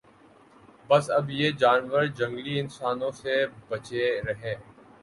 بس اب یہ جانور جنگلی انسانوں سے بچیں رھیں